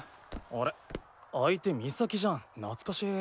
あれ相手岬じゃん懐かしい。